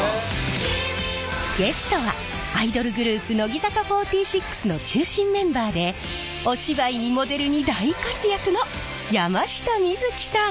ゲストはアイドルグループ乃木坂４６の中心メンバーでお芝居にモデルに大活躍の山下美月さん！